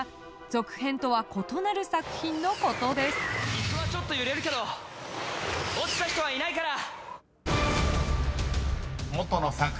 「椅子はちょっと揺れるけど落ちた人はいないから」